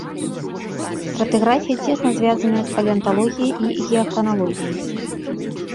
Стратыграфія цесна звязаная з палеанталогіяй і геахраналогіяй.